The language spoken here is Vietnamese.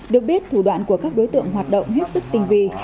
được biết thủ đoạn của các đối tượng hoạt động hết sức tinh vi